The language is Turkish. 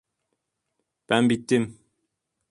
Ben bittim!